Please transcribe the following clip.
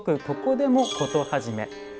ここでもコトはじめ」。